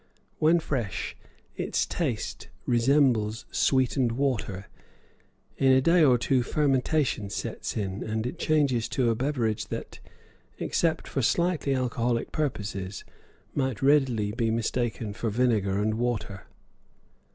When fresh, its taste resembles sweetened water; in a day or two fermentation sets in, and it changes to a beverage that, except for slightly alcoholic properties, might readily be mistaken for vinegar and water.